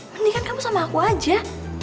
mendingan kamu sama aku aja